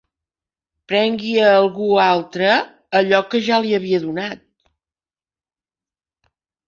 Prengui a algú altre allò que ja li havia donat.